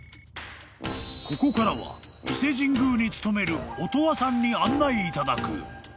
［ここからは伊勢神宮に勤める音羽さんに案内いただく］